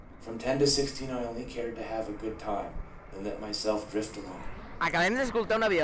From 10 to 16 I only cared to have a good time, and let myself drift along/ M.